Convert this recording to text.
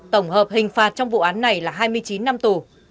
tổng hợp hình phạt trong vụ án này là hai mươi chín năm tù